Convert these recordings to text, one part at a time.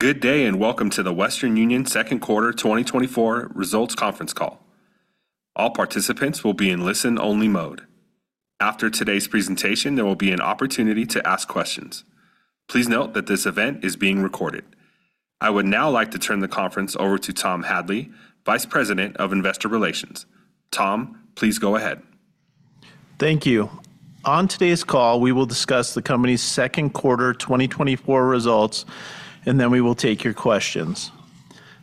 Good day, and welcome to the Western Union second quarter 2024 results conference call. All participants will be in listen-only mode. After today's presentation, there will be an opportunity to ask questions. Please note that this event is being recorded. I would now like to turn the conference over to Tom Hadley, Vice President of Investor Relations. Tom, please go ahead. Thank you. On today's call, we will discuss the company's second quarter 2024 results, and then we will take your questions.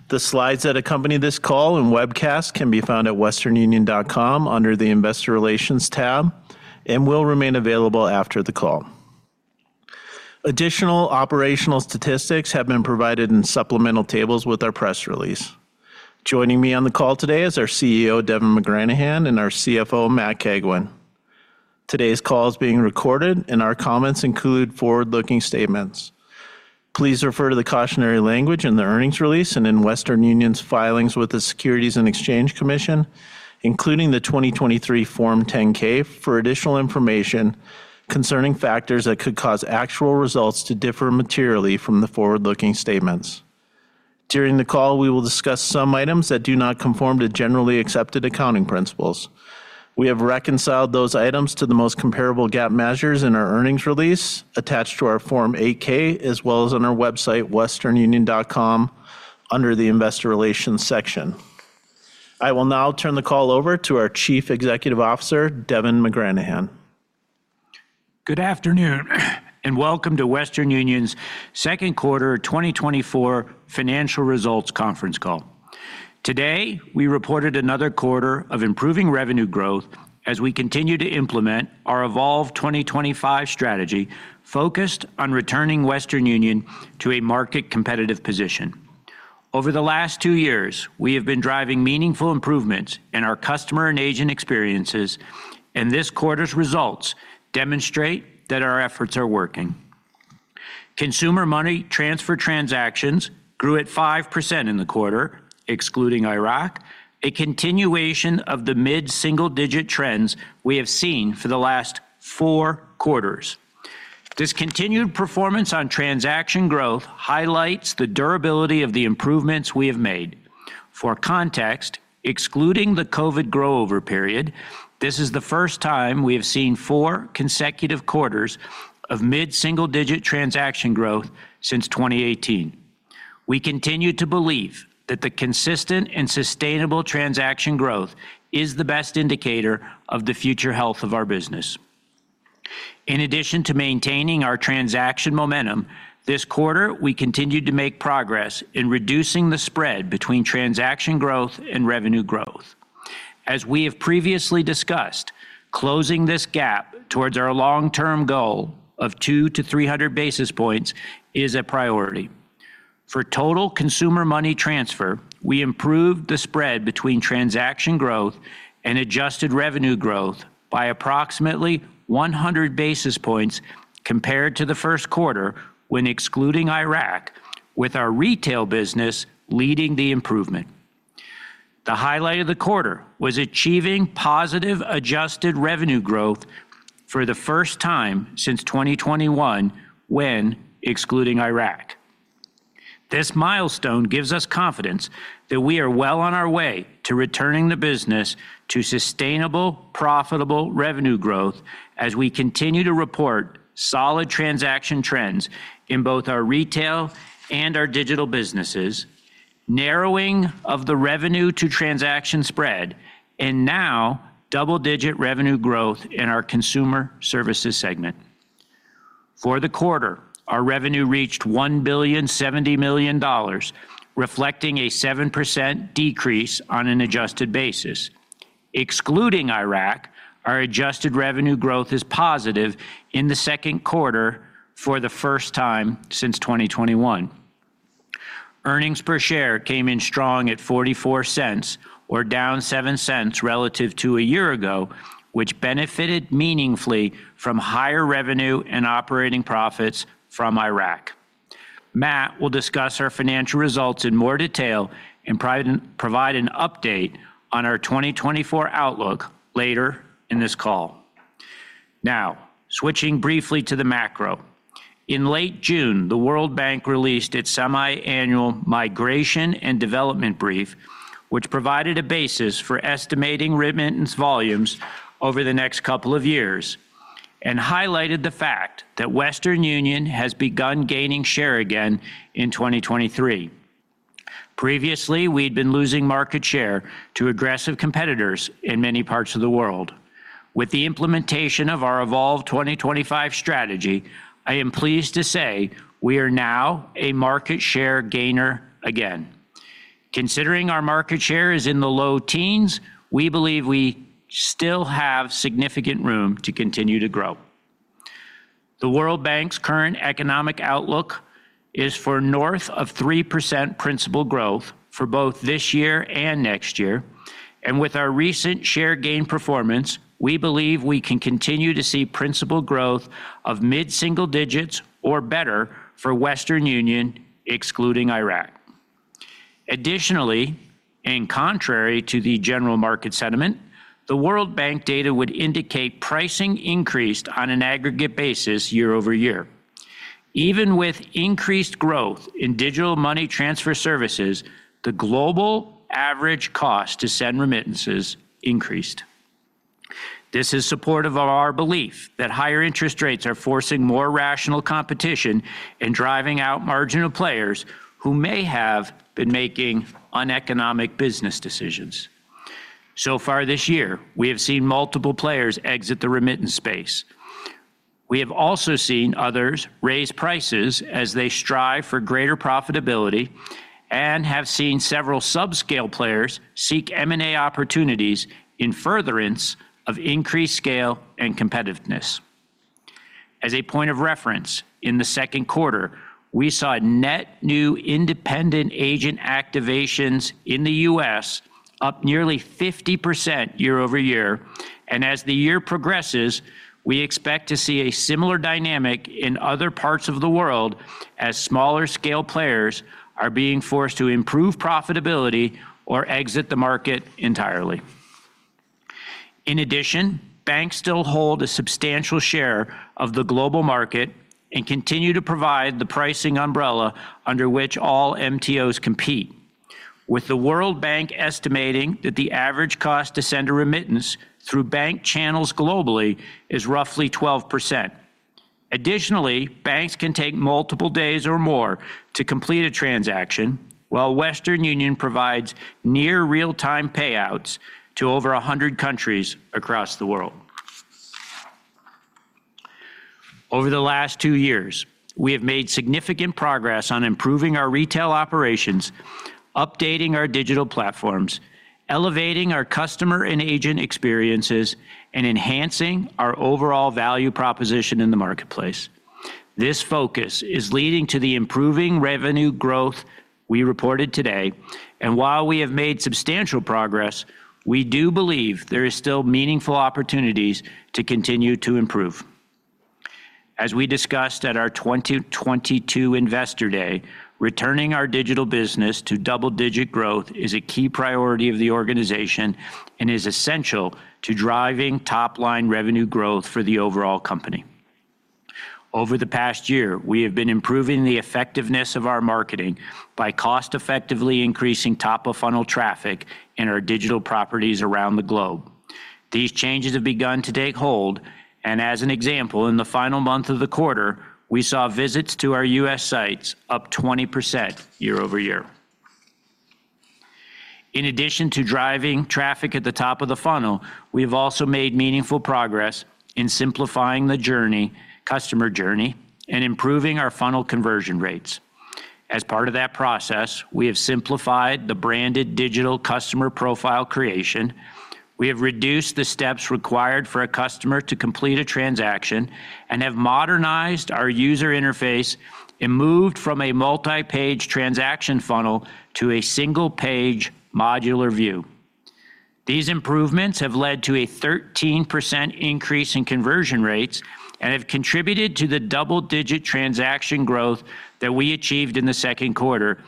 The slides that accompany this call and webcast can be found at westernunion.com under the Investor Relations tab and will remain available after the call. Additional operational statistics have been provided in supplemental tables with our press release. Joining me on the call today is our CEO, Devin McGranahan, and our CFO, Matt Cagwin. Today's call is being recorded, and our comments include forward-looking statements. Please refer to the cautionary language in the earnings release and in Western Union's filings with the Securities and Exchange Commission, including the 2023 Form 10-K for additional information concerning factors that could cause actual results to differ materially from the forward-looking statements. During the call, we will discuss some items that do not conform to generally accepted accounting principles. We have reconciled those items to the most comparable GAAP measures in our earnings release attached to our Form 8-K, as well as on our website, westernunion.com, under the Investor Relations section. I will now turn the call over to our Chief Executive Officer, Devin McGranahan. Good afternoon, and welcome to Western Union's second quarter 2024 financial results conference call. Today, we reported another quarter of improving revenue growth as we continue to implement our Evolve 2025 strategy, focused on returning Western Union to a market competitive position. Over the last 2 years, we have been driving meaningful improvements in our customer and agent experiences, and this quarter's results demonstrate that our efforts are working. Consumer Money Transfer transactions grew at 5% in the quarter, excluding Iraq, a continuation of the mid-single-digit trends we have seen for the last four quarters. This continued performance on transaction growth highlights the durability of the improvements we have made. For context, excluding the COVID grow-over period, this is the first time we have seen four consecutive quarters of mid-single-digit transaction growth since 2018. We continue to believe that the consistent and sustainable transaction growth is the best indicator of the future health of our business. In addition to maintaining our transaction momentum, this quarter, we continued to make progress in reducing the spread between transaction growth and revenue growth. As we have previously discussed, closing this gap towards our long-term goal of 200-300 basis points is a priority. For total Consumer Money Transfer, we improved the spread between transaction growth and adjusted revenue growth by approximately 100 basis points compared to the first quarter, when excluding Iraq, with our retail business leading the improvement. The highlight of the quarter was achieving positive adjusted revenue growth for the first time since 2021 when excluding Iraq. This milestone gives us confidence that we are well on our way to returning the business to sustainable, profitable revenue growth as we continue to report solid transaction trends in both our retail and our digital businesses, narrowing of the revenue to transaction spread, and now double-digit revenue growth in our Consumer Services segment. For the quarter, our revenue reached $1.07 billion, reflecting a 7% decrease on an adjusted basis. Excluding Iraq, our adjusted revenue growth is positive in the second quarter for the first time since 2021. Earnings per share came in strong at $0.44 or down $0.07 relative to a year ago, which benefited meaningfully from higher revenue and operating profits from Iraq. Matt will discuss our financial results in more detail and provide an update on our 2024 outlook later in this call. Now, switching briefly to the macro. In late June, the World Bank released its semiannual Migration and Development Brief, which provided a basis for estimating remittance volumes over the next couple of years and highlighted the fact that Western Union has begun gaining share again in 2023. Previously, we'd been losing market share to aggressive competitors in many parts of the world. With the implementation of our Evolve 2025 strategy, I am pleased to say we are now a market share gainer again. Considering our market share is in the low teens, we believe we still have significant room to continue to grow. The World Bank's current economic outlook is for north of 3% principal growth for both this year and next year, and with our recent share gain performance, we believe we can continue to see principal growth of mid-single digits or better for Western Union, excluding Iraq. Additionally, and contrary to the general market sentiment, the World Bank data would indicate pricing increased on an aggregate basis year-over-year. Even with increased growth in digital money transfer services, the global average cost to send remittances increased. This is supportive of our belief that higher interest rates are forcing more rational competition and driving out marginal players who may have been making uneconomic business decisions. So far this year, we have seen multiple players exit the remittance space. We have also seen others raise prices as they strive for greater profitability, and have seen several subscale players seek M&A opportunities in furtherance of increased scale and competitiveness. As a point of reference, in the second quarter, we saw net new independent agent activations in the U.S. up nearly 50% year-over-year, and as the year progresses, we expect to see a similar dynamic in other parts of the world as smaller scale players are being forced to improve profitability or exit the market entirely. In addition, banks still hold a substantial share of the global market and continue to provide the pricing umbrella under which all MTOs compete, with the World Bank estimating that the average cost to send a remittance through bank channels globally is roughly 12%. Additionally, banks can take multiple days or more to complete a transaction, while Western Union provides near real-time payouts to over 100 countries across the world. Over the last two years, we have made significant progress on improving our retail operations, updating our digital platforms, elevating our customer and agent experiences, and enhancing our overall value proposition in the marketplace. This focus is leading to the improving revenue growth we reported today, and while we have made substantial progress, we do believe there is still meaningful opportunities to continue to improve. As we discussed at our 2022 Investor Day, returning our digital business to double-digit growth is a key priority of the organization and is essential to driving top-line revenue growth for the overall company. Over the past year, we have been improving the effectiveness of our marketing by cost-effectively increasing top-of-funnel traffic in our digital properties around the globe. These changes have begun to take hold, and as an example, in the final month of the quarter, we saw visits to our U.S. sites up 20% year-over-year. In addition to driving traffic at the top of the funnel, we've also made meaningful progress in simplifying the journey, customer journey, and improving our funnel conversion rates. As part of that process, we have simplified the Branded Digital customer profile creation. We have reduced the steps required for a customer to complete a transaction and have modernized our user interface and moved from a multi-page transaction funnel to a single-page modular view. These improvements have led to a 13% increase in conversion rates and have contributed to the double-digit transaction growth that we achieved in the second quarter,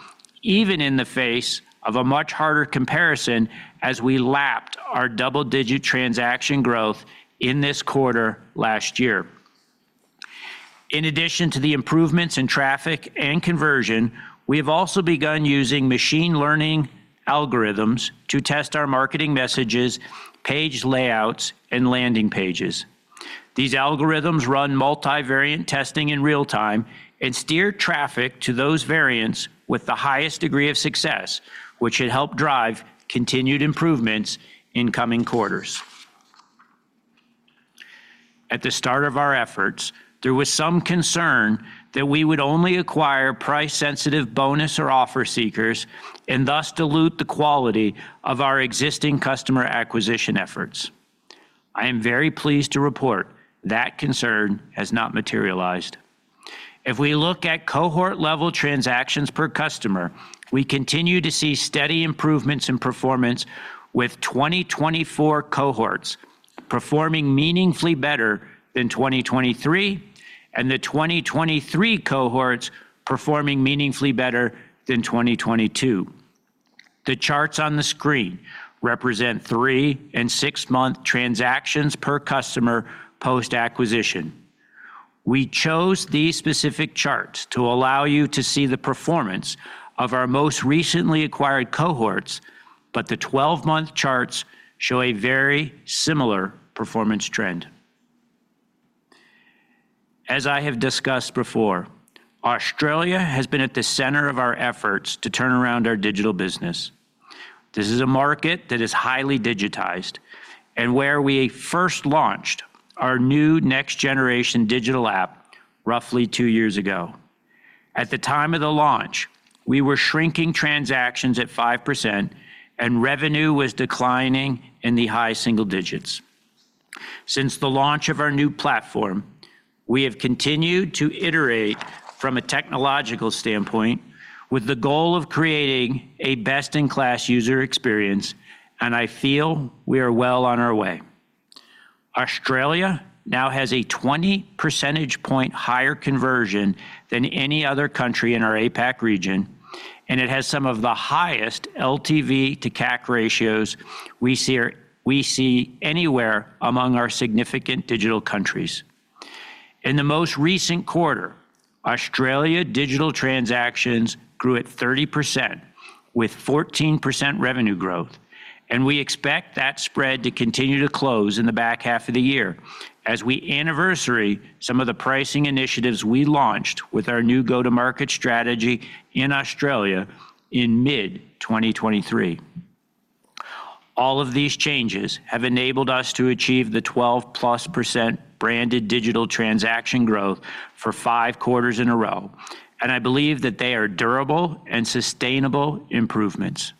even in the face of a much harder comparison as we lapped our double-digit transaction growth in this quarter last year. In addition to the improvements in traffic and conversion, we have also begun using machine learning algorithms to test our marketing messages, page layouts, and landing pages. These algorithms run multivariate testing in real time and steer traffic to those variants with the highest degree of success, which should help drive continued improvements in coming quarters. At the start of our efforts, there was some concern that we would only acquire price-sensitive bonus or offer seekers and thus dilute the quality of our existing customer acquisition efforts. I am very pleased to report that concern has not materialized. If we look at cohort-level transactions per customer, we continue to see steady improvements in performance, with 2024 cohorts performing meaningfully better than 2023, and the 2023 cohorts performing meaningfully better than 2022. The charts on the screen represent three and six month transactions per customer post-acquisition. We chose these specific charts to allow you to see the performance of our most recently acquired cohorts, but the 12-month charts show a very similar performance trend. As I have discussed before, Australia has been at the center of our efforts to turn around our digital business. This is a market that is highly digitized and where we first launched our new next-generation digital app roughly two years ago. At the time of the launch, we were shrinking transactions at 5%, and revenue was declining in the high single digits. Since the launch of our new platform, we have continued to iterate from a technological standpoint with the goal of creating a best-in-class user experience, and I feel we are well on our way. Australia now has a 20 percentage point higher conversion than any other country in our APAC region, and it has some of the highest LTV to CAC ratios we see or we see anywhere among our significant digital countries. In the most recent quarter, Australia digital transactions grew at 30%, with 14% revenue growth, and we expect that spread to continue to close in the back half of the year as we anniversary some of the pricing initiatives we launched with our new go-to-market strategy in Australia in mid-2023. All of these changes have enabled us to achieve the 12%+ Branded Digital transaction growth for five quarters in a row, and I believe that they are durable and sustainable improvements.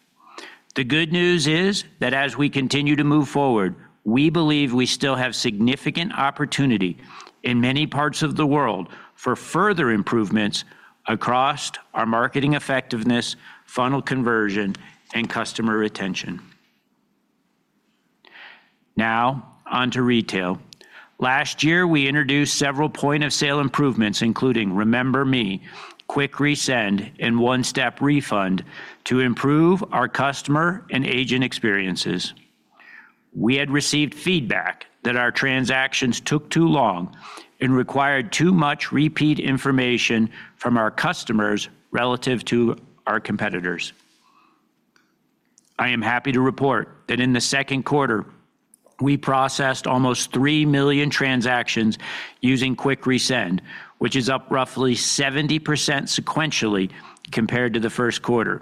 The good news is that as we continue to move forward, we believe we still have significant opportunity in many parts of the world for further improvements across our marketing effectiveness, funnel conversion, and customer retention. Now, on to retail. Last year, we introduced several point-of-sale improvements, including Remember Me, Quick Resend, and One-Step Refund, to improve our customer and agent experiences. We had received feedback that our transactions took too long and required too much repeat information from our customers relative to our competitors. I am happy to report that in the second quarter, we processed almost 3 million transactions using Quick Resend, which is up roughly 70% sequentially compared to the first quarter.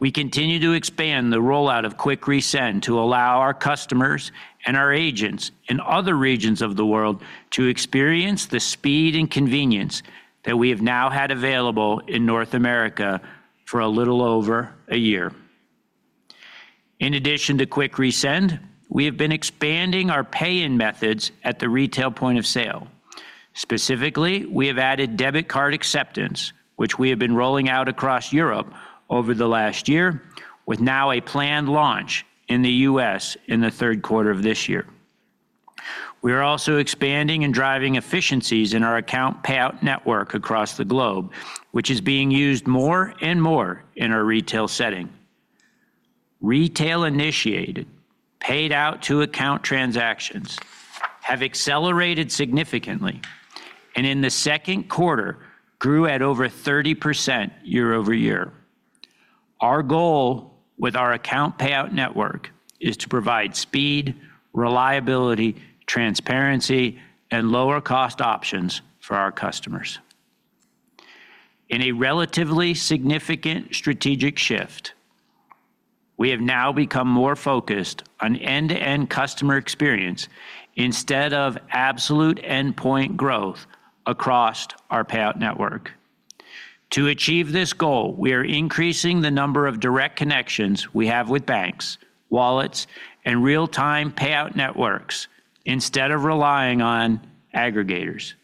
We continue to expand the rollout of Quick Resend to allow our customers and our agents in other regions of the world to experience the speed and convenience that we have now had available in North America for a little over a year. In addition to Quick Resend, we have been expanding our pay-in methods at the retail point of sale. Specifically, we have added debit card acceptance, which we have been rolling out across Europe over the last year, with now a planned launch in the U.S. in the third quarter of this year. We are also expanding and driving efficiencies in our account payout network across the globe, which is being used more and more in our retail setting. Retail-initiated, paid-out-to-account transactions have accelerated significantly, and in the second quarter, grew at over 30% year-over-year. Our goal with our account payout network is to provide speed, reliability, transparency, and lower-cost options for our customers. In a relatively significant strategic shift, we have now become more focused on end-to-end customer experience instead of absolute endpoint growth across our payout network. To achieve this goal, we are increasing the number of direct connections we have with banks, wallets, and real-time payout networks instead of relying on aggregators.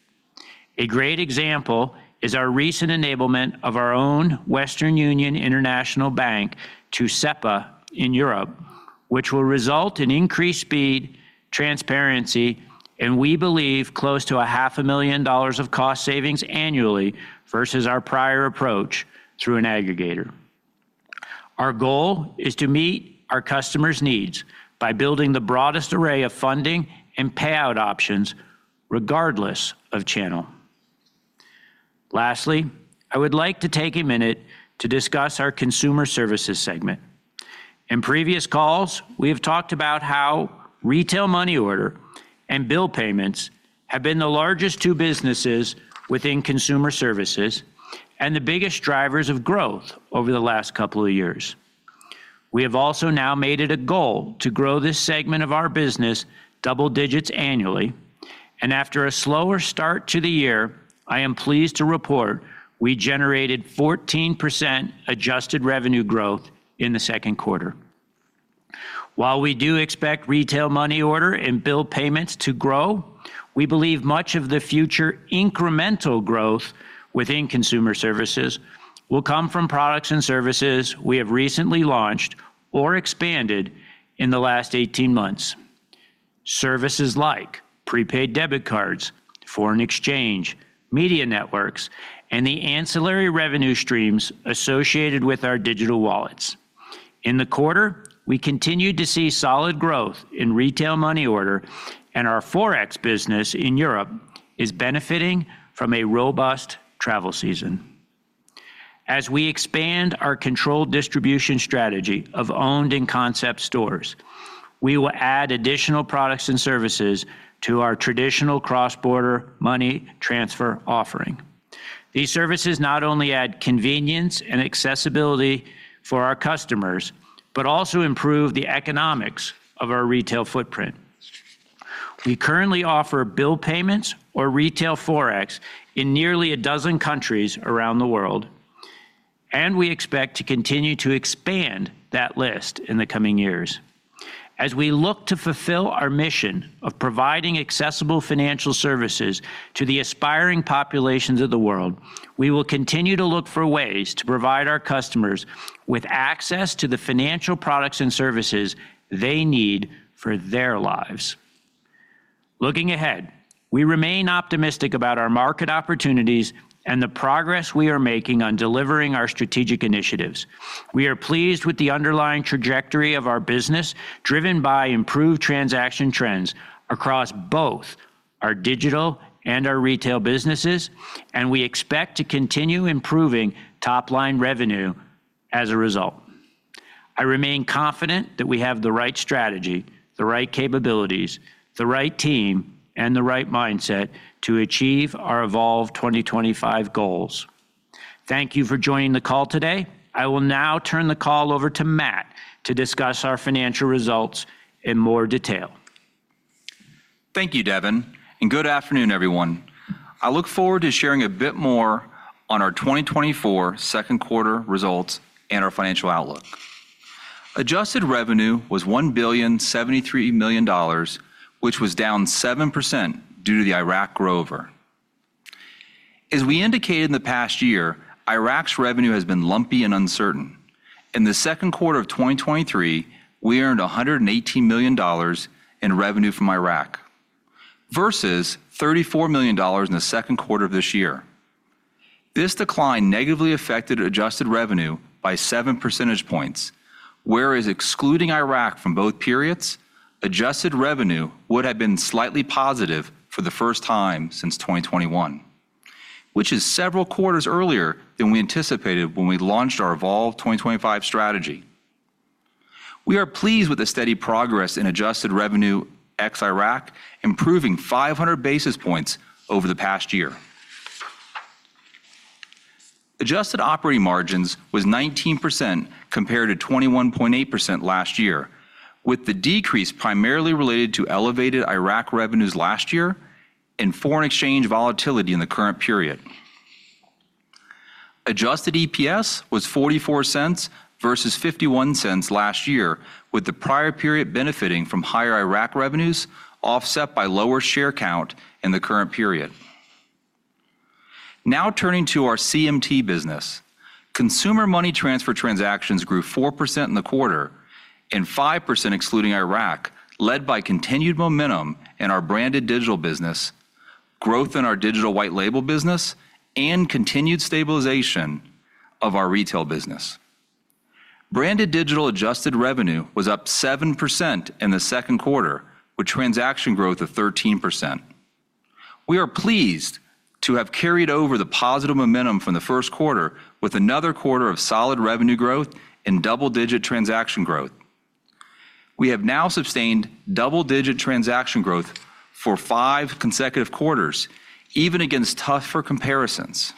A great example is our recent enablement of our own Western Union International Bank to SEPA in Europe, which will result in increased speed, transparency, and we believe close to $500,000 of cost savings annually versus our prior approach through an aggregator. Our goal is to meet our customers' needs by building the broadest array of funding and payout options, regardless of channel. Lastly, I would like to take a minute to discuss our Consumer Services segment. In previous calls, we have talked about how retail money order and bill payments have been the largest two businesses within Consumer Services and the biggest drivers of growth over the last couple of years. We have also now made it a goal to grow this segment of our business double digits annually, and after a slower start to the year, I am pleased to report we generated 14% adjusted revenue growth in the second quarter. While we do expect retail money order and bill payments to grow, we believe much of the future incremental growth within Consumer Services will come from products and services we have recently launched or expanded in the last 18 months. Services like prepaid debit cards, foreign exchange, media networks, and the ancillary revenue streams associated with our digital wallets. In the quarter, we continued to see solid growth in Retail Money Order, and our Forex business in Europe is benefiting from a robust travel season. As we expand our controlled distribution strategy of owned and concept stores, we will add additional products and services to our traditional cross-border money transfer offering. These services not only add convenience and accessibility for our customers, but also improve the economics of our retail footprint. We currently offer bill payments or retail Forex in nearly a dozen countries around the world, and we expect to continue to expand that list in the coming years. As we look to fulfill our mission of providing accessible financial services to the aspiring populations of the world, we will continue to look for ways to provide our customers with access to the financial products and services they need for their lives.... Looking ahead, we remain optimistic about our market opportunities and the progress we are making on delivering our strategic initiatives. We are pleased with the underlying trajectory of our business, driven by improved transaction trends across both our digital and our retail businesses, and we expect to continue improving top-line revenue as a result. I remain confident that we have the right strategy, the right capabilities, the right team, and the right mindset to achieve our Evolve 2025 goals. Thank you for joining the call today. I will now turn the call over to Matt to discuss our financial results in more detail. Thank you, Devin, and good afternoon, everyone. I look forward to sharing a bit more on our 2024 second quarter results and our financial outlook. Adjusted revenue was $1.073 billion, which was down 7% due to the Iraq year-over-year. As we indicated in the past year, Iraq's revenue has been lumpy and uncertain. In the second quarter of 2023, we earned $118 million in revenue from Iraq, versus $34 million in the second quarter of this year. This decline negatively affected adjusted revenue by 7 percentage points, whereas excluding Iraq from both periods, adjusted revenue would have been slightly positive for the first time since 2021, which is several quarters earlier than we anticipated when we launched our Evolve 2025 strategy. We are pleased with the steady progress in adjusted revenue ex Iraq, improving 500 basis points over the past year. Adjusted operating margins was 19%, compared to 21.8% last year, with the decrease primarily related to elevated Iraq revenues last year and foreign exchange volatility in the current period. Adjusted EPS was $0.44 versus $0.51 last year, with the prior period benefiting from higher Iraq revenues, offset by lower share count in the current period. Now turning to our CMT business. Consumer Money Transfer transactions grew 4% in the quarter and 5% excluding Iraq, led by continued momentum in our Branded Digital business, growth in our digital white label business, and continued stabilization of our retail business. Branded Digital adjusted revenue was up 7% in the second quarter, with transaction growth of 13%. We are pleased to have carried over the positive momentum from the first quarter with another quarter of solid revenue growth and double-digit transaction growth. We have now sustained double-digit transaction growth for five consecutive quarters, even against tougher comparisons.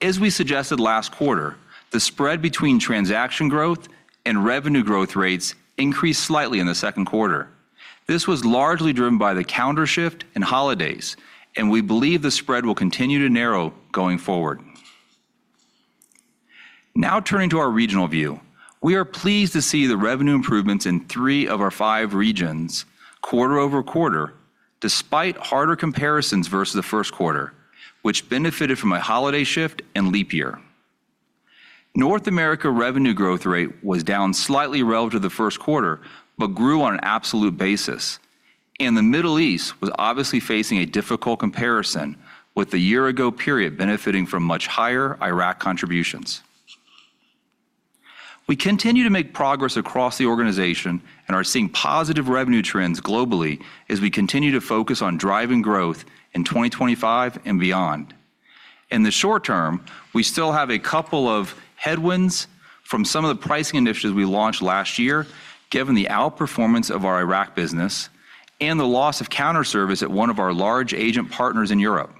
As we suggested last quarter, the spread between transaction growth and revenue growth rates increased slightly in the second quarter. This was largely driven by the calendar shift and holidays, and we believe the spread will continue to narrow going forward. Now turning to our regional view. We are pleased to see the revenue improvements in three of our five regions quarter-over-quarter, despite harder comparisons versus the first quarter, which benefited from a holiday shift and leap year. North America revenue growth rate was down slightly relative to the first quarter, but grew on an absolute basis, and the Middle East was obviously facing a difficult comparison with the year ago period benefiting from much higher Iraq contributions. We continue to make progress across the organization and are seeing positive revenue trends globally as we continue to focus on driving growth in 2025 and beyond. In the short term, we still have a couple of headwinds from some of the pricing initiatives we launched last year, given the outperformance of our Iraq business and the loss of counter service at one of our large agent partners in Europe.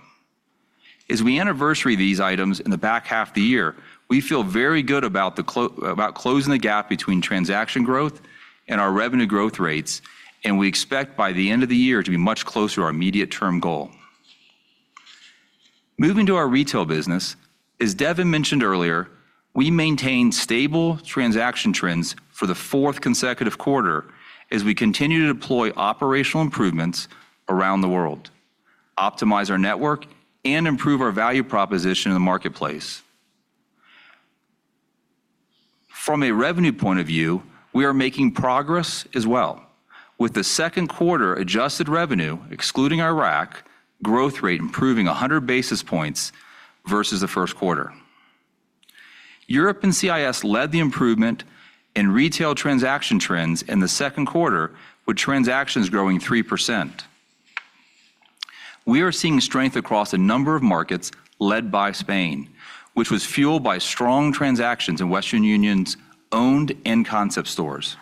As we anniversary these items in the back half of the year, we feel very good about closing the gap between transaction growth and our revenue growth rates, and we expect by the end of the year to be much closer to our immediate term goal. Moving to our retail business, as Devin mentioned earlier, we maintained stable transaction trends for the fourth consecutive quarter as we continue to deploy operational improvements around the world, optimize our network, and improve our value proposition in the marketplace. From a revenue point of view, we are making progress as well, with the second quarter adjusted revenue, excluding Iraq, growth rate improving 100 basis points versus the first quarter. Europe and CIS led the improvement in retail transaction trends in the second quarter, with transactions growing 3%. We are seeing strength across a number of markets led by Spain, which was fueled by strong transactions in Western Union's owned and concept stores.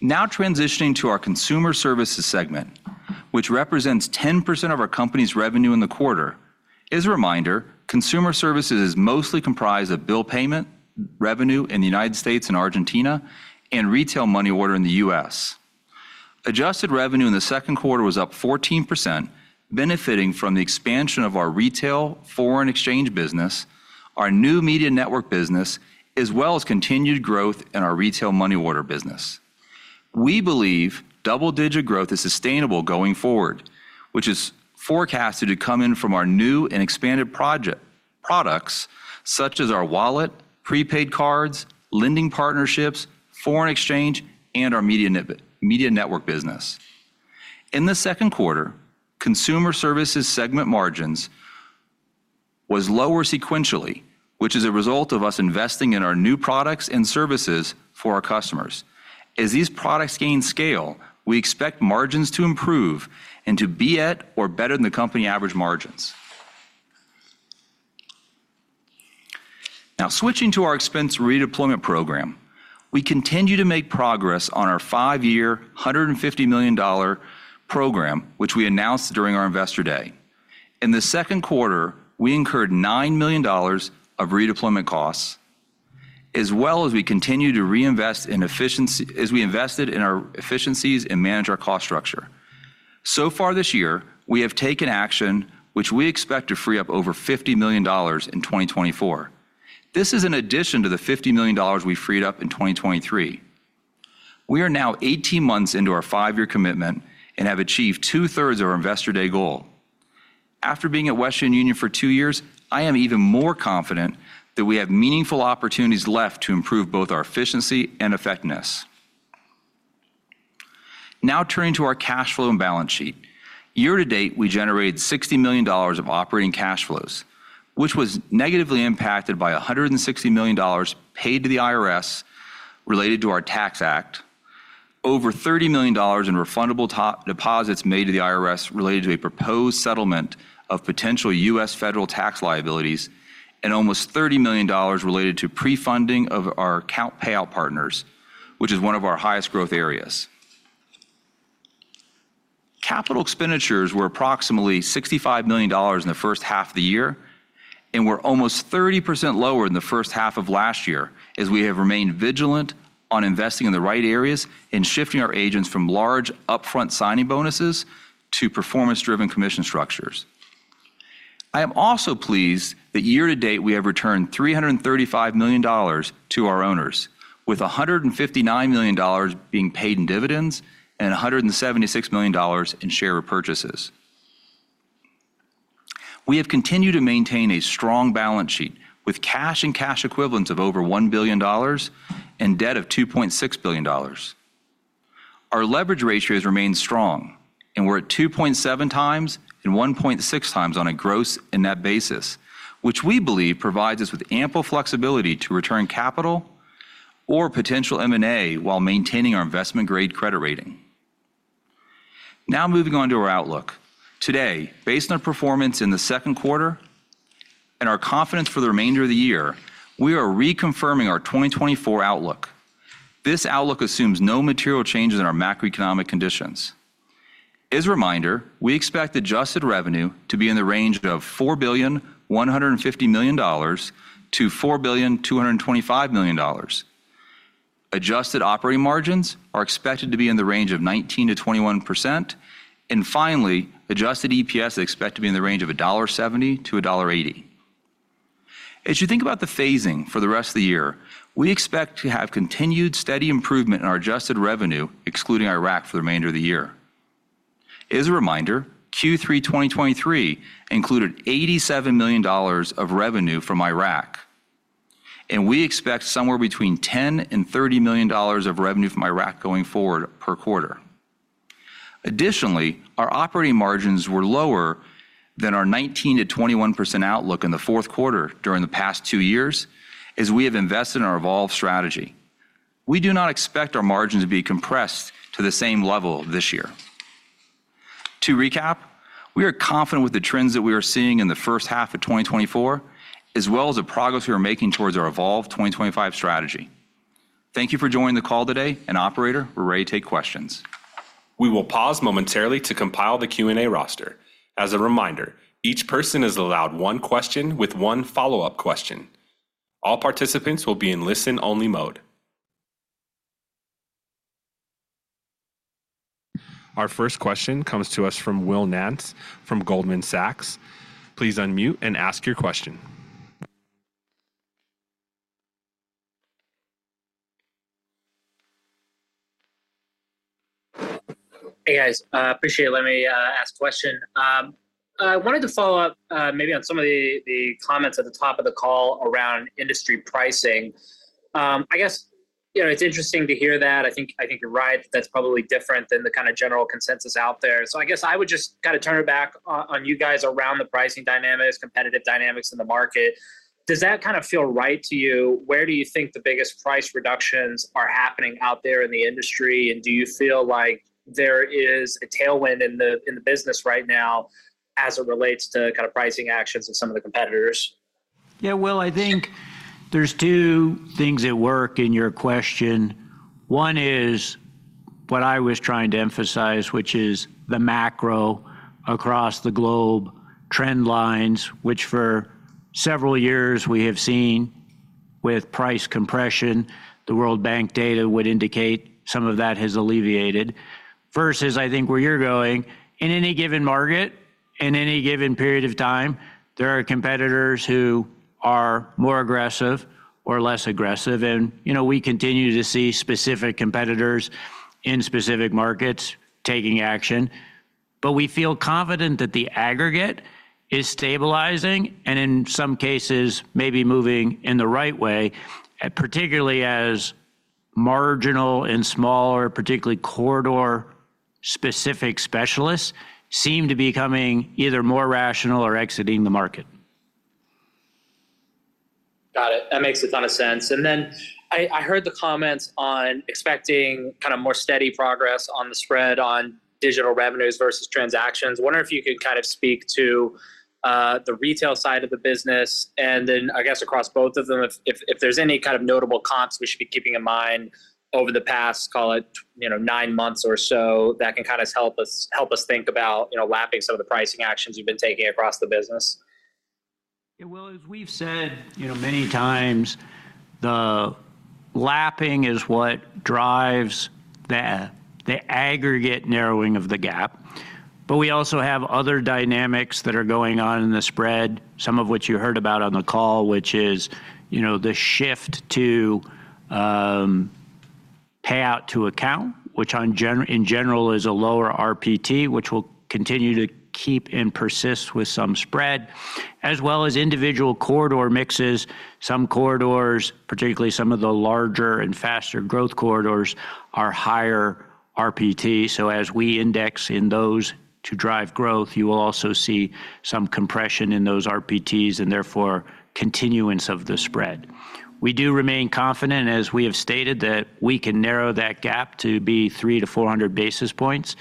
Now transitioning to our Consumer Services segment, which represents 10% of our company's revenue in the quarter. As a reminder, Consumer Services is mostly comprised of bill payment revenue in the United States and Argentina, and retail money order in the US. Adjusted revenue in the second quarter was up 14%, benefiting from the expansion of our retail foreign exchange business, our new media network business, as well as continued growth in our retail money order business. We believe double-digit growth is sustainable going forward, which is forecasted to come in from our new and expanded products, such as our wallet, prepaid cards, lending partnerships, foreign exchange, and our media network business. In the second quarter, Consumer Services segment margins was lower sequentially, which is a result of us investing in our new products and services for our customers. As these products gain scale, we expect margins to improve and to be at or better than the company average margins. Now, switching to our expense redeployment program, we continue to make progress on our five-year, $150 million program, which we announced during our Investor Day. In the second quarter, we incurred $9 million of redeployment costs, as well as we continue to reinvest in efficiency, as we invested in our efficiencies and manage our cost structure. So far this year, we have taken action, which we expect to free up over $50 million in 2024. This is in addition to the $50 million we freed up in 2023. We are now 18 months into our five-year commitment and have achieved 2/3 of our Investor Day goal. After being at Western Union for two years, I am even more confident that we have meaningful opportunities left to improve both our efficiency and effectiveness. Now, turning to our cash flow and balance sheet. Year-to-date, we generated $60 million of operating cash flows, which was negatively impacted by $160 million paid to the IRS related to our Tax Act, over $30 million in refundable tax deposits made to the IRS related to a proposed settlement of potential U.S. federal tax liabilities, and almost $30 million related to pre-funding of our account payout partners, which is one of our highest growth areas. Capital expenditures were approximately $65 million in the first half of the year, and we're almost 30% lower in the first half of last year, as we have remained vigilant on investing in the right areas and shifting our agents from large upfront signing bonuses to performance-driven commission structures. I am also pleased that year-to-date, we have returned $335 million to our owners, with $159 million being paid in dividends and $176 million in share repurchases. We have continued to maintain a strong balance sheet with cash and cash equivalents of over $1 billion and debt of $2.6 billion. Our leverage ratio has remained strong, and we're at 2.7x and 1.6x on a gross and net basis, which we believe provides us with ample flexibility to return capital or potential M&A while maintaining our investment grade credit rating. Now, moving on to our outlook. Today, based on our performance in the second quarter and our confidence for the remainder of the year, we are reconfirming our 2024 outlook. This outlook assumes no material changes in our macroeconomic conditions. As a reminder, we expect adjusted revenue to be in the range of $4.15 billion-$4.225 billion. Adjusted operating margins are expected to be in the range of 19%-21%, and finally, adjusted EPS is expected to be in the range of $1.70-$1.80. As you think about the phasing for the rest of the year, we expect to have continued steady improvement in our adjusted revenue, excluding Iraq, for the remainder of the year. As a reminder, Q3 2023 included $87 million of revenue from Iraq, and we expect somewhere between $10 million and $30 million of revenue from Iraq going forward per quarter. Additionally, our operating margins were lower than our 19%-21% outlook in the fourth quarter during the past two years, as we have invested in our Evolve strategy. We do not expect our margins to be compressed to the same level this year. To recap, we are confident with the trends that we are seeing in the first half of 2024, as well as the progress we are making towards our Evolve 2025 strategy. Thank you for joining the call today, and operator, we're ready to take questions. We will pause momentarily to compile the Q&A roster. As a reminder, each person is allowed one question with one follow-up question. All participants will be in listen-only mode. Our first question comes to us from Will Nance from Goldman Sachs. Please unmute and ask your question. Hey, guys, appreciate it. Let me ask a question. I wanted to follow up, maybe on some of the comments at the top of the call around industry pricing. I guess, you know, it's interesting to hear that. I think you're right, that's probably different than the kinda general consensus out there. So I guess I would just kinda turn it back on you guys around the pricing dynamics, competitive dynamics in the market. Does that kind of feel right to you? Where do you think the biggest price reductions are happening out there in the industry, and do you feel like there is a tailwind in the business right now as it relates to kind of pricing actions of some of the competitors? Yeah, Will, I think there's two things at work in your question. One is what I was trying to emphasize, which is the macro across the globe trend lines, which for several years we have seen with price compression. The World Bank data would indicate some of that has alleviated. Versus, I think, where you're going, in any given market, in any given period of time, there are competitors who are more aggressive or less aggressive, and, you know, we continue to see specific competitors in specific markets taking action.... But we feel confident that the aggregate is stabilizing, and in some cases, maybe moving in the right way, particularly as marginal and smaller, particularly corridor-specific specialists, seem to be becoming either more rational or exiting the market. Got it. That makes a ton of sense. And then I heard the comments on expecting kind of more steady progress on the spread on digital revenues versus transactions. Wondering if you could kind of speak to the retail side of the business, and then I guess across both of them, if there's any kind of notable comps we should be keeping in mind over the past, call it, you know, nine months or so, that can kind of help us think about, you know, lapping some of the pricing actions you've been taking across the business? Yeah, well, as we've said, you know, many times, the lapping is what drives the aggregate narrowing of the gap. But we also have other dynamics that are going on in the spread, some of which you heard about on the call, which is, you know, the shift to payout to account, which in general is a lower RPT, which will continue to keep and persist with some spread, as well as individual corridor mixes. Some corridors, particularly some of the larger and faster growth corridors, are higher RPT. So as we index in those to drive growth, you will also see some compression in those RPTs, and therefore, continuance of the spread. We do remain confident, as we have stated, that we can narrow that gap to be 300-400 basis points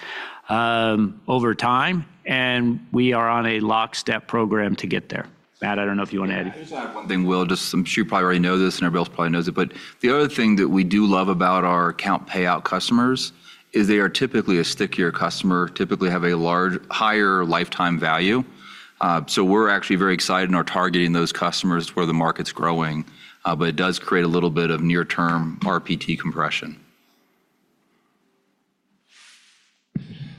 over time, and we are on a lockstep program to get there. Matt, I don't know if you want to add anything. Yeah, I'll just add one thing, Will, just some, you probably already know this, and everybody else probably knows it, but the other thing that we do love about our account payout customers, is they are typically a stickier customer, typically have a large, higher lifetime value. So we're actually very excited and are targeting those customers where the market's growing, but it does create a little bit of near-term RPT compression.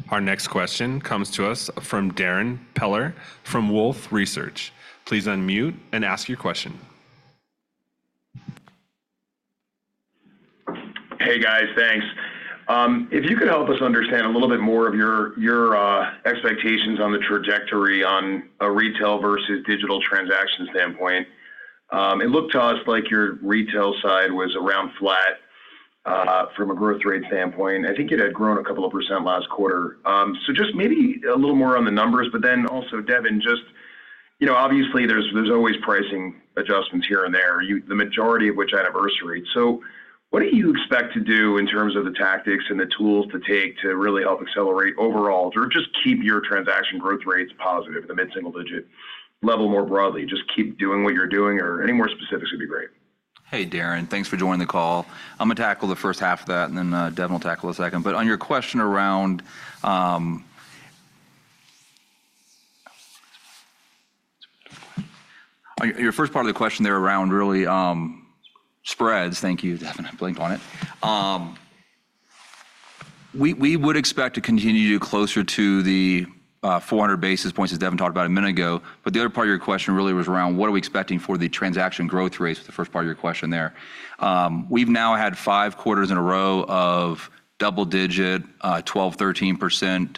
Our next question comes to us from Darrin Peller, from Wolfe Research. Please unmute and ask your question. Hey, guys. Thanks. If you could help us understand a little bit more of your, your expectations on the trajectory on a retail versus digital transaction standpoint. It looked to us like your retail side was around flat from a growth rate standpoint. I think it had grown a couple of percent last quarter. So just maybe a little more on the numbers, but then also, Devin, just, you know, obviously there's, there's always pricing adjustments here and there, you—the majority of which anniversary. So what do you expect to do in terms of the tactics and the tools to take to really help accelerate overall, or just keep your transaction growth rates positive in the mid-single digit level more broadly? Just keep doing what you're doing or any more specifics would be great. Hey, Darren, thanks for joining the call. I'm going to tackle the first half of that, and then, Devin will tackle the second. But on your question around... Your, your first part of the question there around really, spreads. Thank you, Devin, I blanked on it. We would expect to continue closer to the 400 basis points, as Devin talked about a minute ago. But the other part of your question really was around what are we expecting for the transaction growth rates, the first part of your question there. We've now had five quarters in a row of double digit 12%, 13%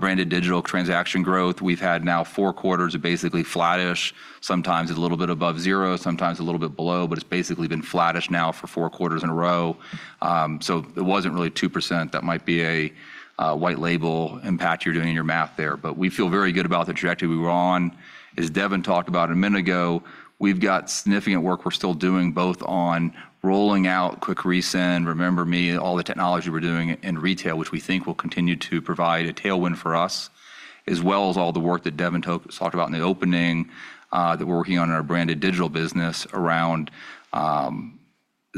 Branded Digital transaction growth. We've had now four quarters of basically flattish, sometimes a little bit above zero, sometimes a little bit below, but it's basically been flattish now for four quarters in a row. So it wasn't really 2%. That might be a White Label impact you're doing in your math there. But we feel very good about the trajectory we were on. As Devin talked about a minute ago, we've got significant work we're still doing, both on rolling out Quick Resend, Remember Me, all the technology we're doing in retail, which we think will continue to provide a tailwind for us, as well as all the work that Devin talked, talked about in the opening, that we're working on in our Branded Digital business around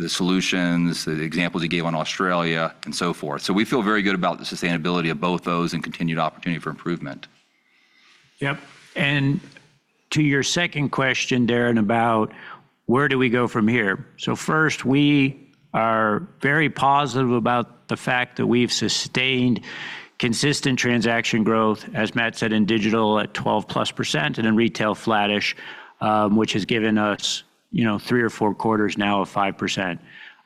the solutions, the examples he gave on Australia, and so forth. So we feel very good about the sustainability of both those and continued opportunity for improvement. Yep. And to your second question, Darren, about where do we go from here? So first, we are very positive about the fact that we've sustained consistent transaction growth, as Matt said, in digital at 12%+ and in retail, flattish, which has given us, you know, three or four quarters now of 5%.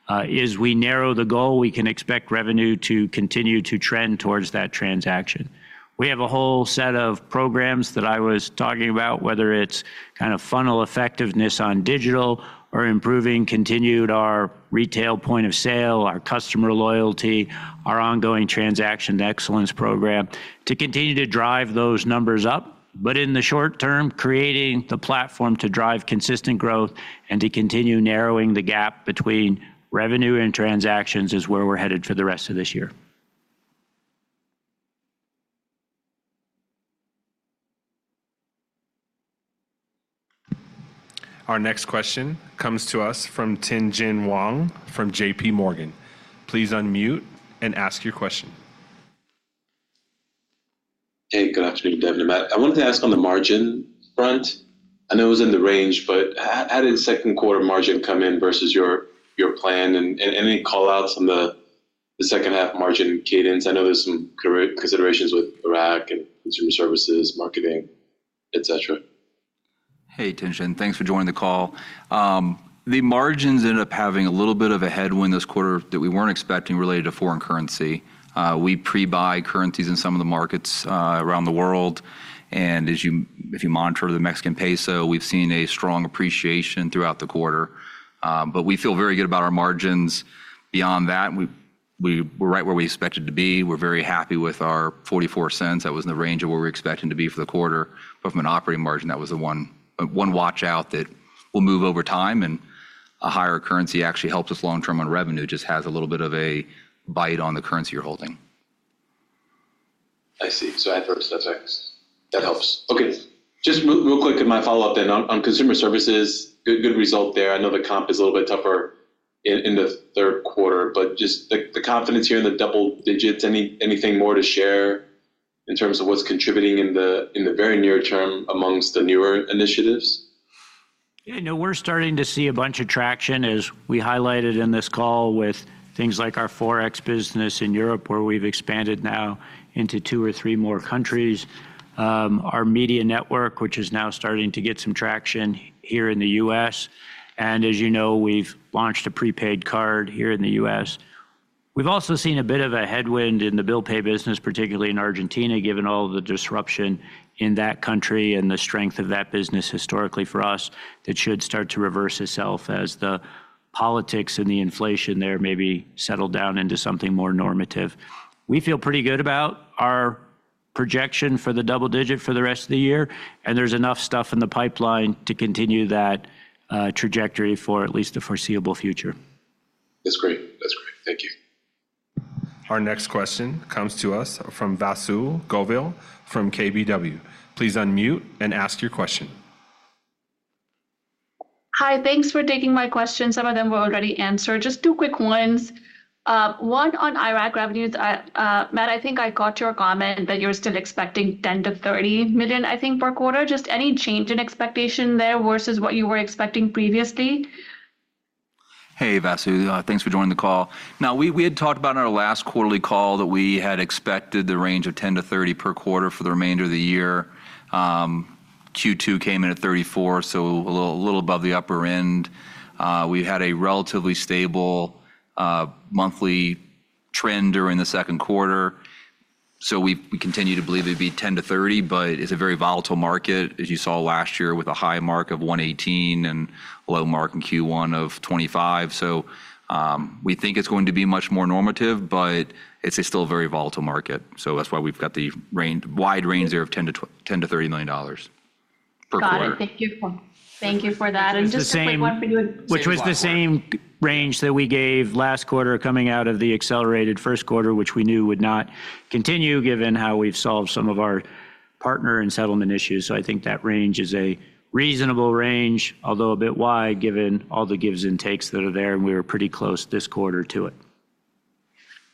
As we narrow the goal, we can expect revenue to continue to trend towards that transaction. We have a whole set of programs that I was talking about, whether it's kind of funnel effectiveness on digital or improving, continued our retail point of sale, our customer loyalty, our ongoing transaction excellence program, to continue to drive those numbers up. But in the short term, creating the platform to drive consistent growth and to continue narrowing the gap between revenue and transactions is where we're headed for the rest of this year. Our next question comes to us from Tien-Tsin Huang, from JPMorgan. Please unmute and ask your question. Hey, good afternoon, Devin and Matt. I wanted to ask on the margin front. I know it was in the range, but how did second quarter margin come in versus your plan, and any call outs on the second half margin cadence? I know there's some considerations with Iraq and Consumer Services, marketing, et cetera.... Hey, Tien-Tsin, thanks for joining the call. The margins ended up having a little bit of a headwind this quarter that we weren't expecting related to foreign currency. We pre-buy currencies in some of the markets around the world, and if you monitor the Mexican peso, we've seen a strong appreciation throughout the quarter. But we feel very good about our margins. Beyond that, we're right where we expected to be. We're very happy with our $0.44. That was in the range of what we were expecting to be for the quarter. But from an operating margin, that was the one watch-out that will move over time, and a higher currency actually helps us long term on revenue, just has a little bit of a bite on the currency you're holding. I see. So I heard that's right. That helps. Okay, just real quick in my follow-up then on, on Consumer Services, good, good result there. I know the comp is a little bit tougher in, in the third quarter, but just the, the confidence here in the double digits, anything more to share in terms of what's contributing in the, in the very near term amongst the newer initiatives? Yeah, no, we're starting to see a bunch of traction, as we highlighted in this call, with things like our Forex business in Europe, where we've expanded now into two or three more countries. Our media network, which is now starting to get some traction here in the US. And as you know, we've launched a prepaid card here in the US. We've also seen a bit of a headwind in the bill pay business, particularly in Argentina, given all the disruption in that country and the strength of that business historically for us. It should start to reverse itself as the politics and the inflation there maybe settle down into something more normative. We feel pretty good about our projection for the double digit for the rest of the year, and there's enough stuff in the pipeline to continue that, trajectory for at least the foreseeable future. That's great. That's great. Thank you. Our next question comes to us from Vasu Govil, from KBW. Please unmute and ask your question. Hi, thanks for taking my question. Some of them were already answered. Just two quick ones. One on Iraq revenues. I, Matt, I think I caught your comment that you're still expecting $10 million-$30 million, I think, per quarter. Just any change in expectation there versus what you were expecting previously? Hey, Vasu, thanks for joining the call. Now, we had talked about on our last quarterly call that we had expected the range of $10 million-$30 million per quarter for the remainder of the year. Q2 came in at 34%, so a little above the upper end. We had a relatively stable monthly trend during the second quarter, so we continue to believe it'd be $10 million-$30 million, but it's a very volatile market, as you saw last year, with a high mark of 118 and a low mark in Q1 of 25. So, we think it's going to be much more normative, but it's still a very volatile market. So that's why we've got the wide range there of $10 million-$30 million per quarter. Got it. Thank you. Thank you for that. It's the same- Just a quick one for you. Which was the same range that we gave last quarter coming out of the accelerated first quarter, which we knew would not continue, given how we've solved some of our partner and settlement issues. So I think that range is a reasonable range, although a bit wide, given all the gives and takes that are there, and we were pretty close this quarter to it.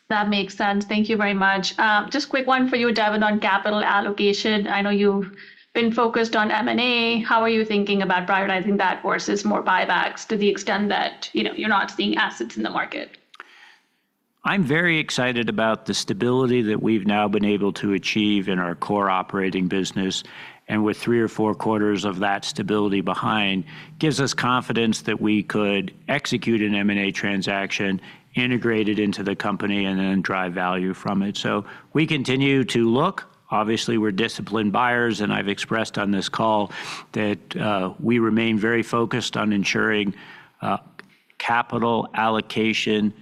That makes sense. Thank you very much. Just quick one for you, Devin, on capital allocation. I know you've been focused on M&A. How are you thinking about prioritizing that versus more buybacks, to the extent that, you know, you're not seeing assets in the market? I'm very excited about the stability that we've now been able to achieve in our core operating business, and with three or four quarters of that stability behind, gives us confidence that we could execute an M&A transaction, integrate it into the company, and then drive value from it. So we continue to look. Obviously, we're disciplined buyers, and I've expressed on this call that, we remain very focused on ensuring, capital allocation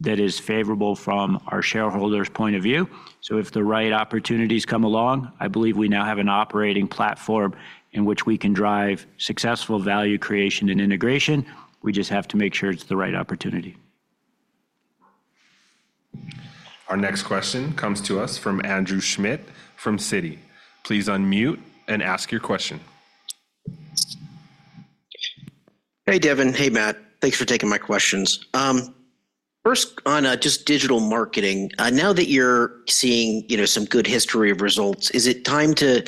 that is favorable from our shareholders' point of view. So if the right opportunities come along, I believe we now have an operating platform in which we can drive successful value creation and integration. We just have to make sure it's the right opportunity. Our next question comes to us from Andrew Schmidt from Citi. Please unmute and ask your question. Hey, Devin. Hey, Matt. Thanks for taking my questions. First on just digital marketing, now that you're seeing, you know, some good history of results, is it time to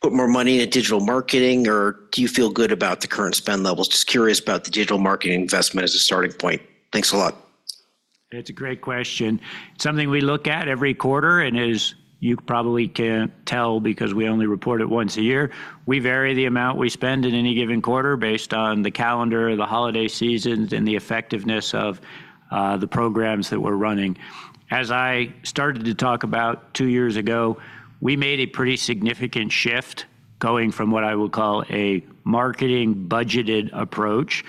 put more money into digital marketing, or do you feel good about the current spend levels? Just curious about the digital marketing investment as a starting point. Thanks a lot. It's a great question. Something we look at every quarter, and as you probably can tell because we only report it once a year, we vary the amount we spend in any given quarter based on the calendar, the holiday seasons, and the effectiveness of, the programs that we're running. As I started to talk about two years ago, we made a pretty significant shift going from what I would call a marketing budgeted approach,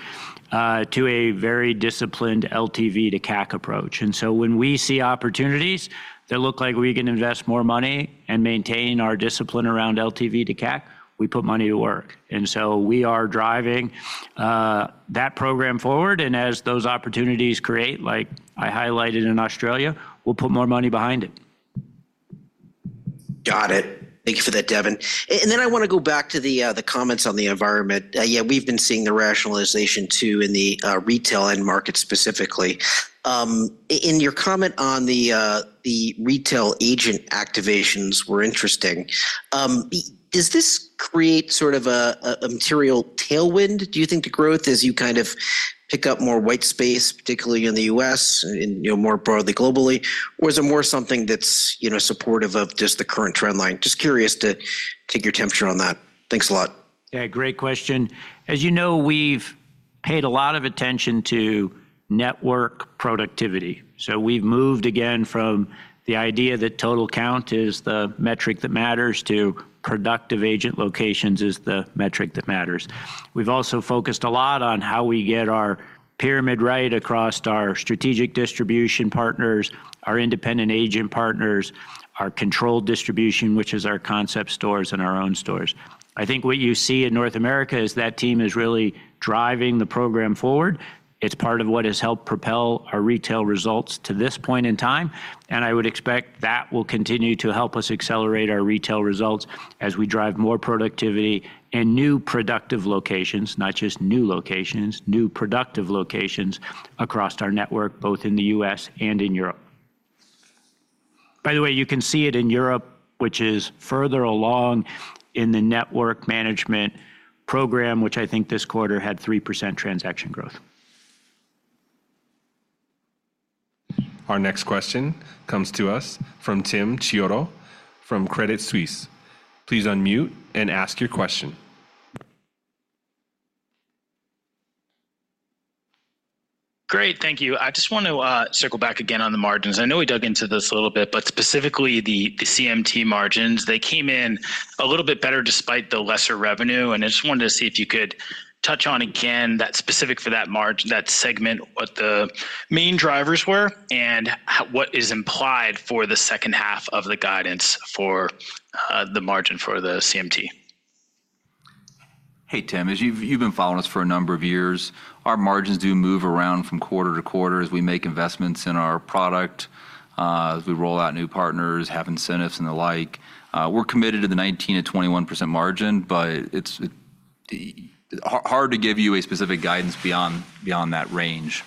to a very disciplined LTV to CAC approach. And so when we see opportunities that look like we can invest more money and maintain our discipline around LTV to CAC, we put money to work. And so we are driving, that program forward, and as those opportunities create, like I highlighted in Australia, we'll put more money behind it. Got it. Thank you for that, Devin. And then I wanna go back to the comments on the environment. Yeah, we've been seeing the rationalization, too, in the retail end market specifically. In your comment on the retail agent activations were interesting. Does this create sort of a material tailwind, do you think, to growth as you kind of pick up more white space, particularly in the U.S. and, you know, more broadly globally? Or is it more something that's, you know, supportive of just the current trend line? Just curious to take your temperature on that. Thanks a lot. Yeah, great question. As you know, we've-... paid a lot of attention to network productivity. So we've moved again from the idea that total count is the metric that matters to productive agent locations is the metric that matters. We've also focused a lot on how we get our pyramid right across our strategic distribution partners, our independent agent partners, our controlled distribution, which is our concept stores and our own stores. I think what you see in North America is that team is really driving the program forward. It's part of what has helped propel our retail results to this point in time, and I would expect that will continue to help us accelerate our retail results as we drive more productivity and new productive locations, not just new locations, new productive locations across our network, both in the U.S. and in Europe. By the way, you can see it in Europe, which is further along in the network management program, which I think this quarter had 3% transaction growth. Our next question comes to us from Tim Chiodo from Credit Suisse. Please unmute and ask your question. Great, thank you. I just want to circle back again on the margins. I know we dug into this a little bit, but specifically the, the CMT margins, they came in a little bit better despite the lesser revenue. And I just wanted to see if you could touch on again that specific for that margin—that segment, what the main drivers were, and what is implied for the second half of the guidance for, the margin for the CMT? Hey, Tim, as you've been following us for a number of years, our margins do move around from quarter-to-quarter as we make investments in our product, as we roll out new partners, have incentives and the like. We're committed to the 19%-21% margin, but it's hard to give you a specific guidance beyond that range.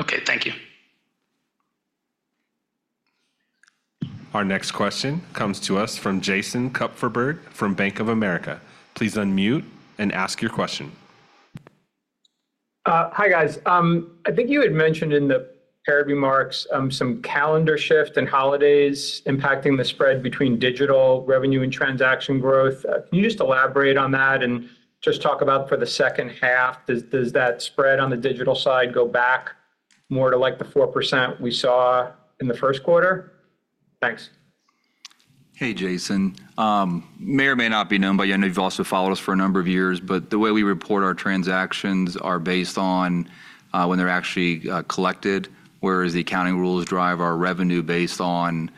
Okay, thank you. Our next question comes to us from Jason Kupferberg from Bank of America. Please unmute and ask your question. Hi, guys. I think you had mentioned in the prepared remarks, some calendar shift and holidays impacting the spread between digital revenue and transaction growth. Can you just elaborate on that and just talk about for the second half, does that spread on the digital side go back more to, like, the 4% we saw in the first quarter? Thanks. Hey, Jason. May or may not be known by you, I know you've also followed us for a number of years, but the way we report our transactions are based on when they're actually collected, whereas the accounting rules drive our revenue based on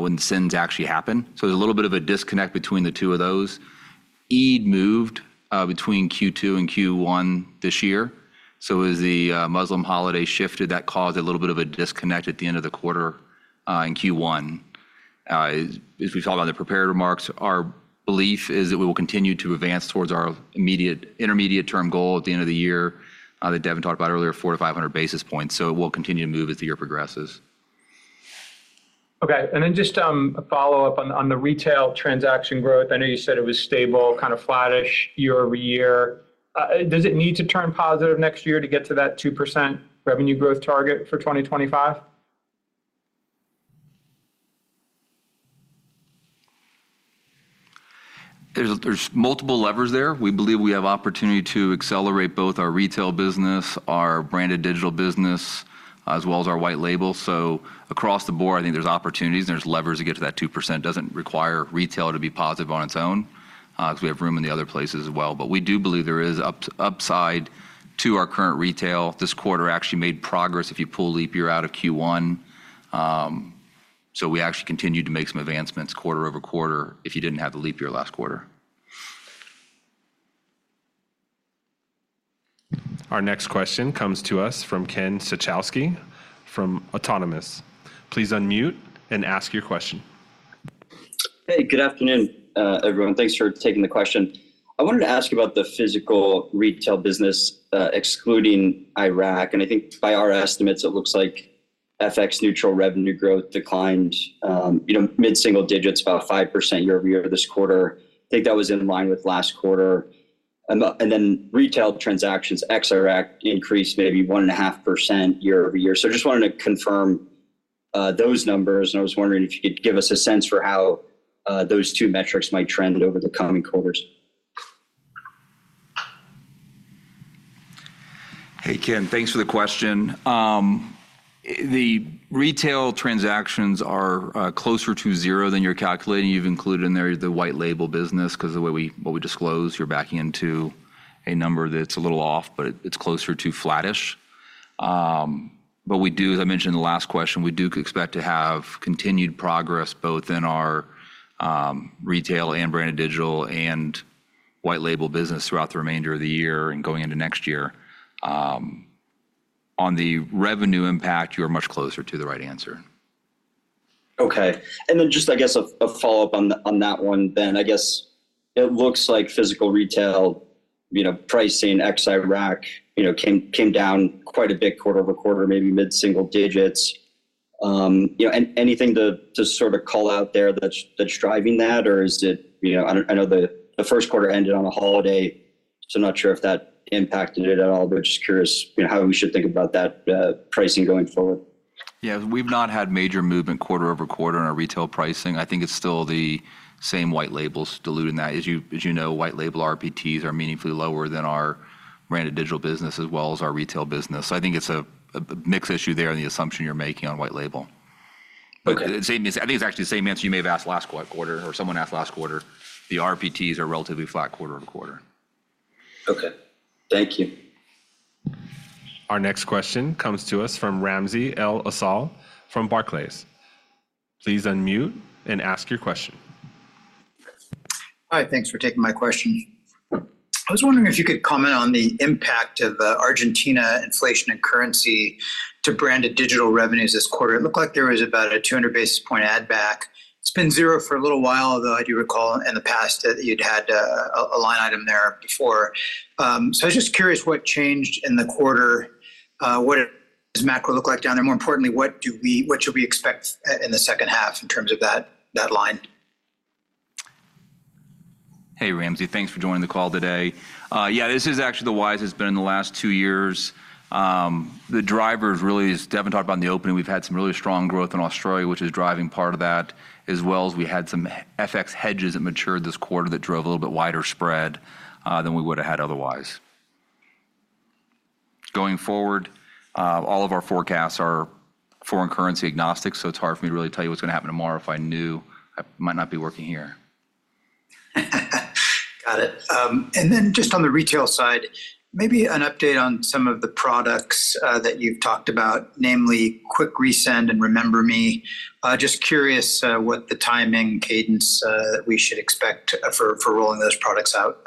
when the sends actually happen. So there's a little bit of a disconnect between the two of those. Eid moved between Q2 and Q1 this year, so as the Muslim holiday shifted, that caused a little bit of a disconnect at the end of the quarter in Q1. As we talked about in the prepared remarks, our belief is that we will continue to advance towards our intermediate-term goal at the end of the year that Devin talked about earlier, 400-500 basis points. So we'll continue to move as the year progresses. Okay, and then just a follow-up on the retail transaction growth. I know you said it was stable, kind of flattish year-over-year. Does it need to turn positive next year to get to that 2% revenue growth target for 2025? There's multiple levers there. We believe we have opportunity to accelerate both our retail business, our Branded Digital business, as well as our white label. So across the board, I think there's opportunities, and there's levers to get to that 2%. Doesn't require retail to be positive on its own, because we have room in the other places as well. But we do believe there is upside to our current retail. This quarter actually made progress if you pull leap year out of Q1. So we actually continued to make some advancements quarter-over-quarter if you didn't have the leap year last quarter. Our next question comes to us from Ken Suchoski from Autonomous. Please unmute and ask your question. Hey, good afternoon, everyone. Thanks for taking the question. I wanted to ask you about the physical retail business, excluding Iraq. And I think by our estimates, it looks like FX neutral revenue growth declined, you know, mid-single digits, about 5% year-over-year this quarter. I think that was in line with last quarter. And then retail transactions, ex-Iraq, increased maybe 1.5% year-over-year. So I just wanted to confirm those numbers, and I was wondering if you could give us a sense for how those two metrics might trend over the coming quarters. Hey, Ken, thanks for the question. The retail transactions are closer to zero than you're calculating. You've included in there the white label business, 'cause the way what we disclose, you're backing into a number that's a little off, but it's closer to flattish. But we do, as I mentioned in the last question, we do expect to have continued progress, both in our retail and Branded Digital and white label business throughout the remainder of the year and going into next year. On the revenue impact, you are much closer to the right answer. Okay. And then just, I guess, a follow-up on that one then. I guess it looks like physical retail, you know, pricing ex-Iraq, you know, came down quite a bit quarter-over-quarter, maybe mid-single digits.... you know, anything to sort of call out there that's driving that, or is it, you know, I know the first quarter ended on a holiday, so I'm not sure if that impacted it at all. But just curious, you know, how we should think about that pricing going forward? Yeah, we've not had major movement quarter-over-quarter in our retail pricing. I think it's still the same white labels diluting that. As you know, white label RPTs are meaningfully lower than our Branded Digital business, as well as our retail business. So I think it's a mix issue there in the assumption you're making on white label. Okay. But same as... I think it's actually the same answer you may have asked last quarter, or someone asked last quarter. The RPTs are relatively flat quarter-over-quarter. Okay. Thank you. Our next question comes to us from Ramsey El-Assal from Barclays. Please unmute and ask your question. Hi, thanks for taking my question. I was wondering if you could comment on the impact of Argentina inflation and currency to Branded Digital revenues this quarter. It looked like there was about a 200 basis point add back. It's been zero for a little while, although I do recall in the past that you'd had a line item there before. So I was just curious, what changed in the quarter? What does macro look like down there? More importantly, what should we expect in the second half in terms of that line? Hey, Ramsey, thanks for joining the call today. Yeah, this is actually the widest it's been in the last two years. The drivers really, as Devin talked about in the opening, we've had some really strong growth in Australia, which is driving part of that, as well as we had some FX hedges that matured this quarter that drove a little bit wider spread than we would've had otherwise. Going forward, all of our forecasts are foreign currency agnostic, so it's hard for me to really tell you what's gonna happen tomorrow. If I knew, I might not be working here. Got it. And then just on the retail side, maybe an update on some of the products that you've talked about, namely Quick Resend and Remember Me. Just curious, what the timing cadence we should expect for rolling those products out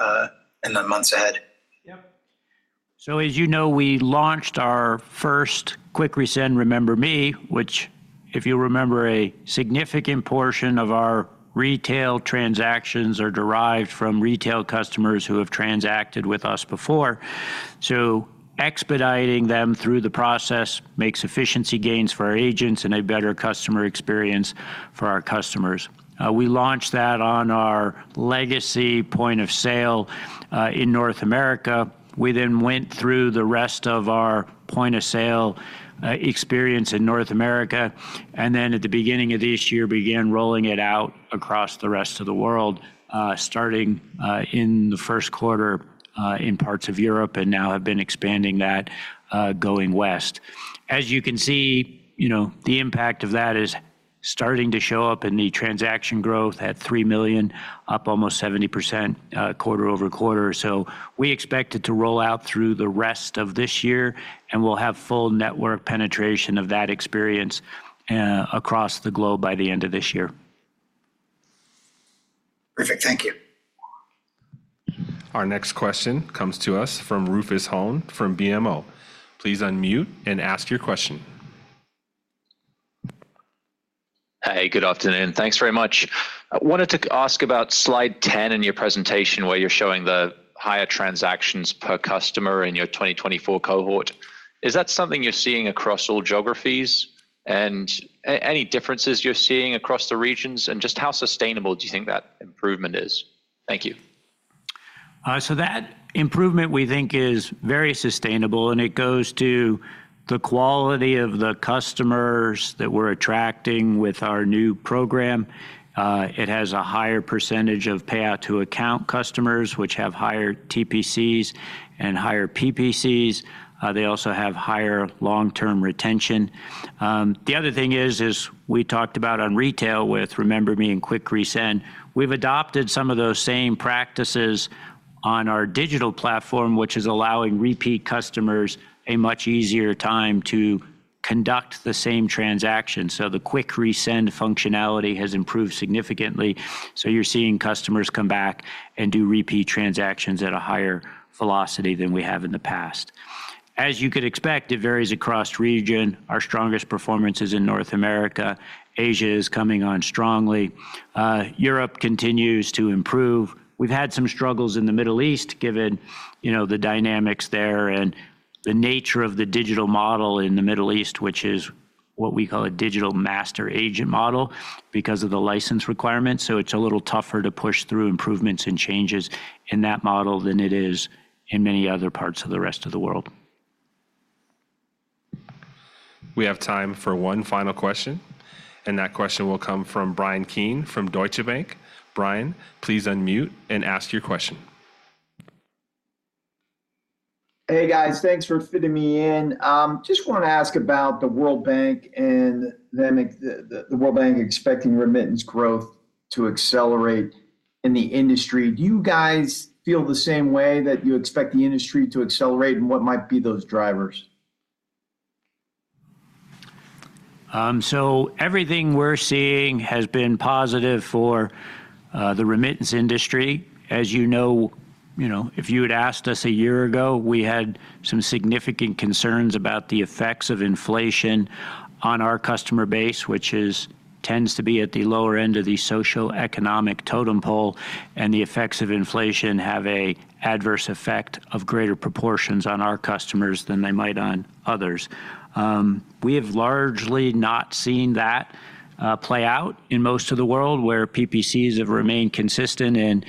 in the months ahead? Yep. So as you know, we launched our first Quick Resend Remember Me, which, if you remember, a significant portion of our retail transactions are derived from retail customers who have transacted with us before. So expediting them through the process makes efficiency gains for our agents and a better customer experience for our customers. We launched that on our legacy point of sale, in North America. We then went through the rest of our point of sale, experience in North America, and then at the beginning of this year, began rolling it out across the rest of the world, starting, in the first quarter, in parts of Europe, and now have been expanding that, going west. As you can see, you know, the impact of that is starting to show up in the transaction growth at 3 million, up almost 70%, quarter-over-quarter. So we expect it to roll out through the rest of this year, and we'll have full network penetration of that experience, across the globe by the end of this year. Perfect. Thank you. Our next question comes to us from Rufus Hone from BMO. Please unmute and ask your question. Hey, good afternoon. Thanks very much. I wanted to ask about slide 10 in your presentation, where you're showing the higher transactions per customer in your 2024 cohort. Is that something you're seeing across all geographies? And any differences you're seeing across the regions, and just how sustainable do you think that improvement is? Thank you. So that improvement, we think, is very sustainable, and it goes to the quality of the customers that we're attracting with our new program. It has a higher percentage of payout-to-account customers, which have higher TPCs and higher PPCs. They also have higher long-term retention. The other thing is we talked about on retail with Remember Me and Quick Resend, we've adopted some of those same practices on our digital platform, which is allowing repeat customers a much easier time to conduct the same transaction. So the Quick Resend functionality has improved significantly, so you're seeing customers come back and do repeat transactions at a higher velocity than we have in the past. As you could expect, it varies across region. Our strongest performance is in North America. Asia is coming on strongly. Europe continues to improve. We've had some struggles in the Middle East, given, you know, the dynamics there and the nature of the digital model in the Middle East, which is what we call a digital master agent model, because of the license requirements. So it's a little tougher to push through improvements and changes in that model than it is in many other parts of the rest of the world. We have time for one final question, and that question will come from Bryan Keane from Deutsche Bank. Bryan, please unmute and ask your question. Hey, guys. Thanks for fitting me in. Just want to ask about the World Bank and then the World Bank expecting remittance growth to accelerate in the industry. Do you guys feel the same way, that you expect the industry to accelerate, and what might be those drivers? So everything we're seeing has been positive for the remittance industry. As you know, you know, if you had asked us a year ago, we had some significant concerns about the effects of inflation on our customer base, which tends to be at the lower end of the socioeconomic totem pole, and the effects of inflation have an adverse effect of greater proportions on our customers than they might on others. We have largely not seen that play out in most of the world, where PPCs have remained consistent and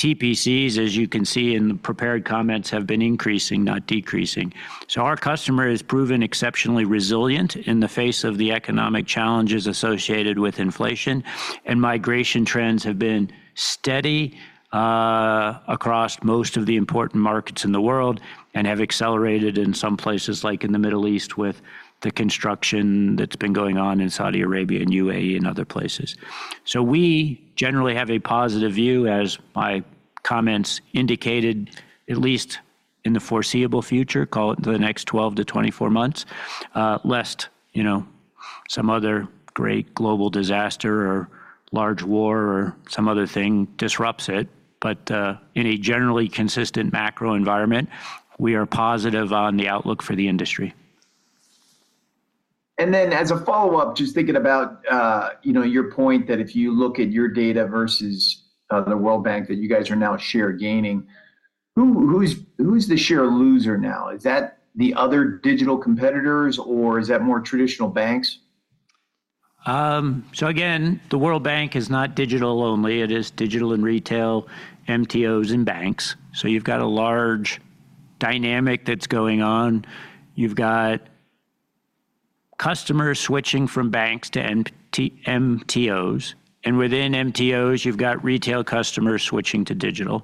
TPCs, as you can see in the prepared comments, have been increasing, not decreasing. So our customer has proven exceptionally resilient in the face of the economic challenges associated with inflation, and migration trends have been steady, across most of the important markets in the world and have accelerated in some places, like in the Middle East, with the construction that's been going on in Saudi Arabia and UAE and other places. So we generally have a positive view, as my comments indicated, at least in the foreseeable future, call it the next 12-24 months, lest, you know, some other great global disaster or large war or some other thing disrupts it. But, in a generally consistent macro environment, we are positive on the outlook for the industry. As a follow-up, just thinking about, you know, your point that if you look at your data versus the World Bank, that you guys are now share gaining, who is the share loser now? Is that the other digital competitors, or is that more traditional banks? So again, the World Bank is not digital only. It is digital and retail, MTOs and banks. So you've got a large dynamic that's going on. You've got customers switching from banks to MTOs, and within MTOs, you've got retail customers switching to digital.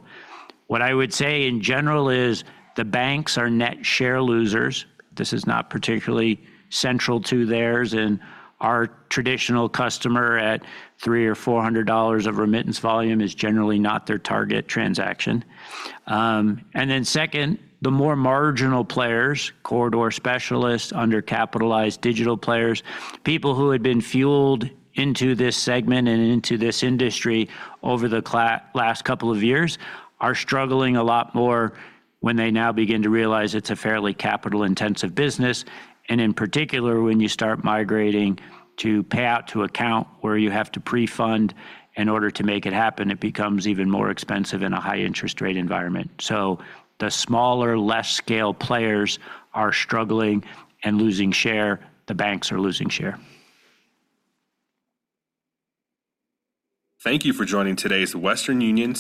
What I would say in general is the banks are net share losers. This is not particularly central to theirs, and our traditional customer at $300 or $400 of remittance volume is generally not their target transaction. And then second, the more marginal players, corridor specialists, undercapitalized digital players, people who had been fueled into this segment and into this industry over the last couple of years, are struggling a lot more when they now begin to realize it's a fairly capital-intensive business. In particular, when you start migrating to pay out to account, where you have to pre-fund in order to make it happen, it becomes even more expensive in a high-interest rate environment. The smaller, less-scale players are struggling and losing share. The banks are losing share. Thank you for joining today's Western Union-